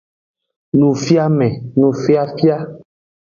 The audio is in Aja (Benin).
Nufiame, nufiafia.